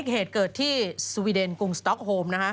เหตุเกิดที่สวีเดนกรุงสต๊อกโฮม